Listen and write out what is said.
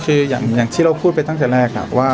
คืออย่างที่เราพูดไปตั้งแต่แรกว่า